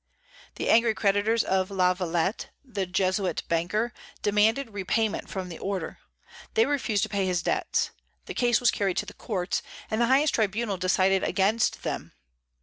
The angry creditors of La Valette, the Jesuit banker, demanded repayment from the Order. They refused to pay his debts. The case was carried to the courts, and the highest tribunal decided against them.